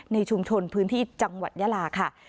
ในชุมชนพื้นที่จังหวัดยาลาค่ะ